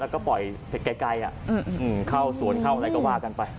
แล้วก็ปล่อยไกลเข้าสวนเข้าอะไรก็ว่ากันไป